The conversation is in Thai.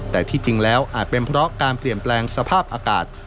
แต่ที่จริงแล้วอาจเป็นเพราะการเปลี่ยนแปลงสภาพอากาศ